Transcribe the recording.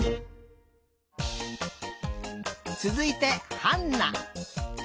つづいてハンナ。